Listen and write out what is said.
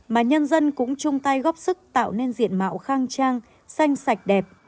mà nhân dân cũng chung tay góp sức tạo nên diện mạo khang trang xanh sạch đẹp